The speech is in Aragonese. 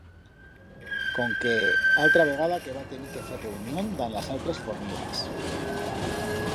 Conque altra vegada que va tenir que fer reunión dan las altras fornigas.